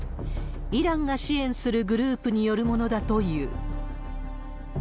イランが支援するグループによるものだという。